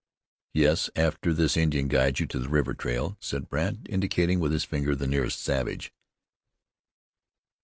"Yes, after this Indian guides you to the river trail," said Brandt, indicating with his finger the nearest savage.